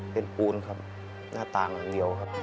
เป็นปูนครับหน้าต่างเหนียวครับ